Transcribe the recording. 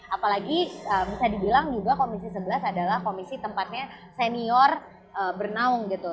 apalagi bisa dibilang juga komisi sebelas adalah komisi tempatnya senior bernaung gitu